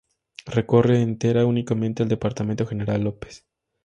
Recorre entera y únicamente el Departamento General López.